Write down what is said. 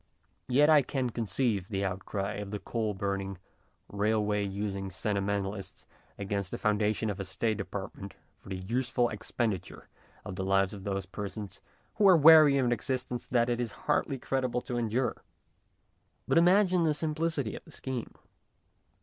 Yet I can conceive the outcry of the coal burning, railway using sentimentalists against the foundation of a State department for the useful expenditure of the lives of those persons who are weary of an existence that it is hardly creditable to endure. But imagine the simplicity of the scheme.